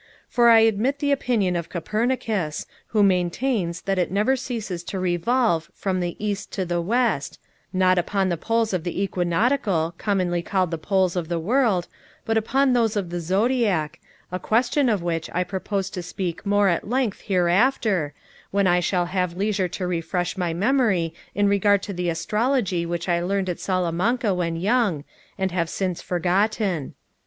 _For I admit the opinion of Copernicus, who maintains that it never ceases to revolve _from the east to the west, _not upon the poles of the Equinoctial, commonly called the poles of the world, but upon those of the Zodiac, a question of which I propose to speak more at length here after, when I shall have leisure to refresh my memory in regard to the astrology which I learned at Salamanca when young, and have since forgotten."